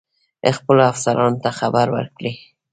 خپلو افسرانو ته خبر ورکړی.